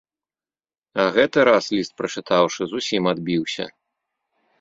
А гэты раз, ліст прачытаўшы, зусім адбіўся.